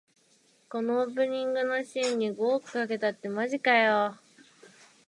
このオープニングのシーンに五億かけたってマジかよ